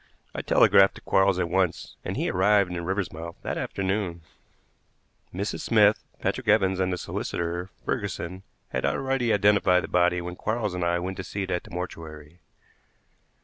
I telegraphed to Quarles at once, and he arrived in Riversmouth that afternoon. Mrs. Smith, Patrick Evans, and the solicitor, Ferguson, had already identified the body when Quarles and I went to see it at the mortuary.